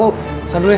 paku salin dulu ya